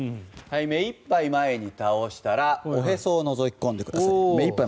目いっぱい前に倒したらおへそをのぞき込んでください。